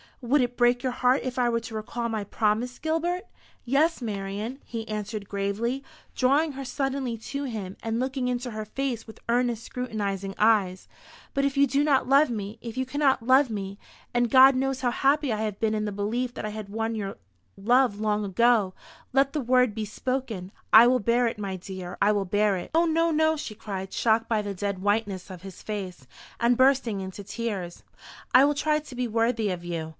"Would it break your heart if I were to recall my promise, Gilbert?" "Yes, Marian," he answered gravely, drawing her suddenly to him, and looking into her face with earnest scrutinising eyes; "but if you do not love me, if you cannot love me and God knows how happy I have been in the belief that I had won your love long ago let the word be spoken. I will bear it, my dear, I will bear it." "O no, no," she cried, shocked by the dead whiteness of his face, and bursting into tears. "I will try to be worthy of you.